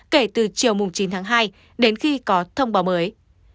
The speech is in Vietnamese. kể từ chiều chín tháng hai đến khi có thông báo mới